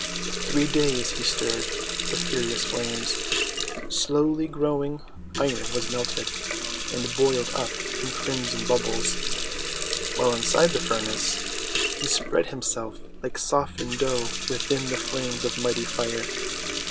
Three days he stirred the furious flames. Slowly glowing Iron was melted, and boiled up in crimson bubbles. While inside the furnace 292 THE WONDER GARDEN he spread himself like softened dough within the flames of mighty Fire.